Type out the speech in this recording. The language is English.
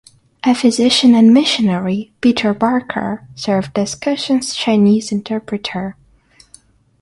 A physician and missionary, Peter Parker, served as Cushing's Chinese interpreter.